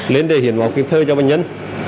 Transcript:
lên để hiển máu kịp thời cho bệnh nhân